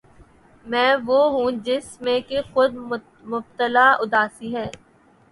میں وہ ہوں جس میں کہ خود مبتلا اُداسی ہے